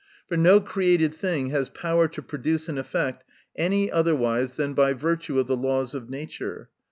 For no created thing has power to produce an effect any otherwise than by virtue of the laws of nature.